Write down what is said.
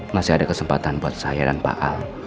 masih ada kesempatan buat saya dan pak al